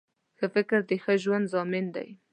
ښه فکر د ښه ژوند ضامن دی